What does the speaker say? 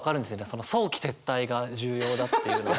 その早期撤退が重要だっていうのが。